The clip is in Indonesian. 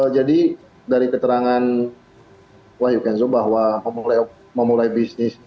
jadi dari keterangan pak yudhendo bahwa memulai bisnis